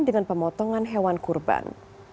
dengan pemotongan hewan kurban